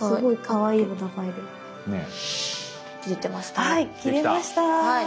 はい切れました。